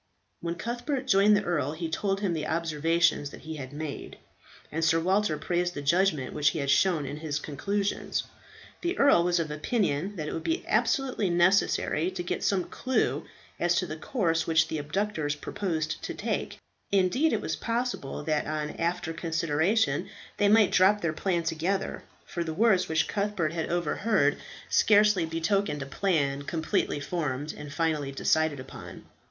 When Cuthbert joined the earl he told him the observations that he had made, and Sir Walter praised the judgment which he had shown in his conclusions. The earl was of opinion that it would be absolutely necessary to get some clue as to the course which the abductors purposed to take; indeed it was possible that on after consideration they might drop their plan altogether, for the words which Cuthbert had overheard scarcely betokened a plan completely formed and finally decided upon.